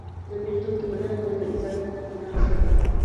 د پیرودونکي مننه کول د عزت نښه ده.